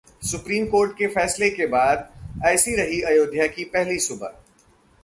supreme court के फैसले के बाद ऐसी रही अयोध्या की पहली सुबह